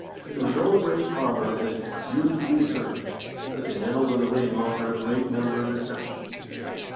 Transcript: There was an old ring proverb that "Youth will be served," but the annals of the ring offer a great number of exceptions.